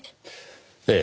ええ。